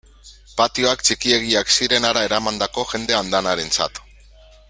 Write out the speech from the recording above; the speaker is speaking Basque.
Patioak txikiegiak ziren hara eramandako jende andanarentzat.